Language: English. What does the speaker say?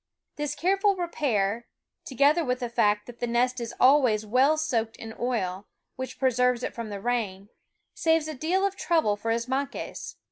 This careful repair, together with the fact that the nest is always well soaked in oil, which pre serves it from the rain, saves a deal of trouble for Ismaques.